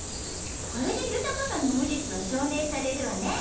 これで豊さんの無実は証明されるわね！